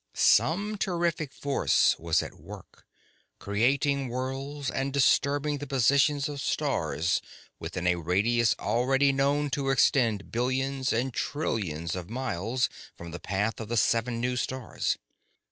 Some terrific force was at work, creating worlds and disturbing the positions of stars within a radius already known to extend billions and trillions of miles from the path of the seven new stars.